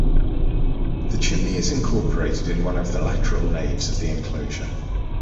The chimney is incorporated in one of the lateral naves of the enclosure.